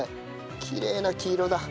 きれいな黄色だ。